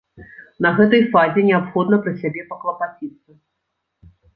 На гэтай фазе неабходна пра сябе паклапаціцца.